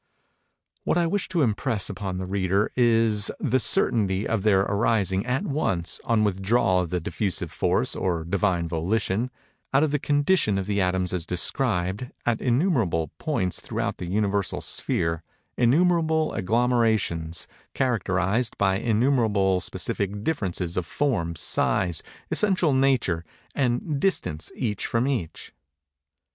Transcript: What I wish to impress upon the reader is the certainty of there arising, at once, (on withdrawal of the diffusive force, or Divine Volition,) out of the condition of the atoms as described, at innumerable points throughout the Universal sphere, innumerable agglomerations, characterized by innumerable specific differences of form, size, essential nature, and distance each from each.